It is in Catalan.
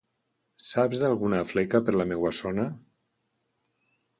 Saps d'alguna fleca per la meva zona?